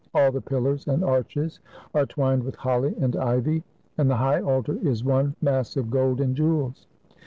All the pillars and arches are twined with holly and ivy, and the high altar is one mass of gold and jewels!